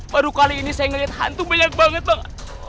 baru kali ini saya ngeliat hantu banyak banget bang